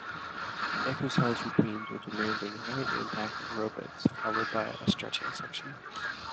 The exercise routines were demanding, high-impact aerobics, followed by a stretching section.